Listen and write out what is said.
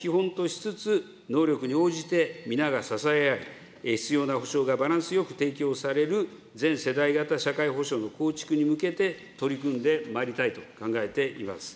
最後のセーフティネットである生活保護制度なども含めたきめ細かな対応を基本としつつ、能力に応じて皆が支え合い、必要な保障がバランスよく提供される全世代型社会保障の構築に向けて取り組んでまいりたいと考えています。